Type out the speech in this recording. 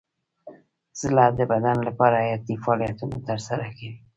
زړه د بدن لپاره حیاتي فعالیتونه ترسره کوي.